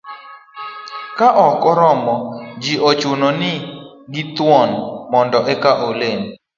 ka ok oromo, ji ichuno gi thuon mondo eka olem